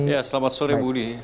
ya selamat sore budi